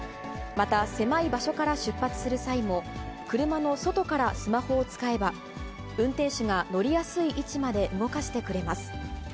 また狭い場所から出発する際も、車の外からスマホを使えば、運転手が乗りやすい位置まで動かしてくれます。